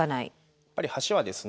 やっぱり橋はですね